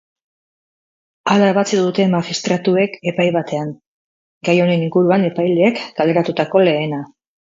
Hala ebatzi dute magistratuek epai batean, gai honen inguruan epaileek kaleratutako lehena.